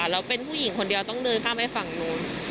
เราเป็นผู้หญิงคนเดียวต้องเดินข้ามไปฝั่งนู้น